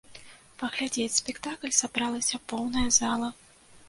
Паглядзець спектакль сабралася поўная зала.